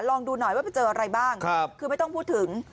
ลองดูหน่อยว่าไปเจออะไรบ้างคือไม่ต้องพูดถึง